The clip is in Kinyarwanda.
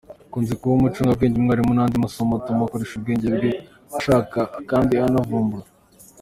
Akunze kuba umucurabwenge, umwarimu n’andi masomo atuma akoresha ubwenge bwe ashakashaka kandi anavumbura.